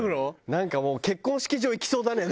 なんかもう結婚式場行きそうだね。